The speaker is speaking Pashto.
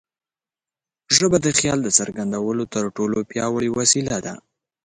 ژبه د خیال د څرګندولو تر ټولو پیاوړې وسیله ده.